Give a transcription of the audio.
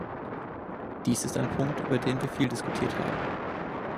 Dies ist ein Punkt, über den wir viel diskutiert haben.